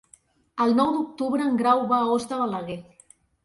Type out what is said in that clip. El nou d'octubre en Grau va a Os de Balaguer.